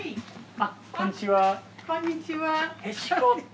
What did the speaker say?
あっこんにちは。